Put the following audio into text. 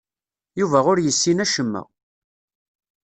Yuba ur yessin acemma.